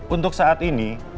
untuk saat ini